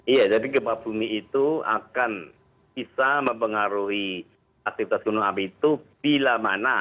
iya jadi gempa bumi itu akan bisa mempengaruhi aktivitas gunung api itu bila mana